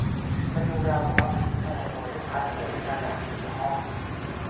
มันดูราวกับว่าพายุทอร์นาโดได้พัดโหมกระหน่ำเหนือห้อง